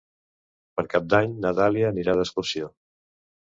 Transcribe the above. Per Cap d'Any na Dàlia anirà d'excursió.